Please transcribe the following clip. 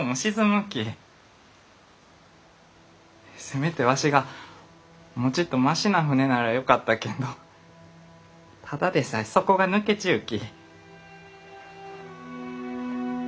せめてわしがもうちっとましな舟ならよかったけんどただでさえ底が抜けちゅうき。